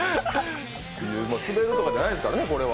スベるとかじゃないですからね。